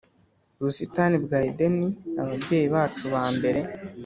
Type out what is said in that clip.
busitani bwa Edeni Ababyeyi bacu ba mbere